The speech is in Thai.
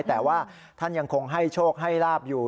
แต่ว่าท่านยังคงให้โชคให้ลาบอยู่